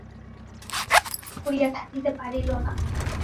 আর সে চুপ করিয়া থাকিতে পারিল না।